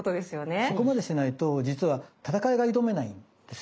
そこまでしないと実は戦いが挑めないんですよ。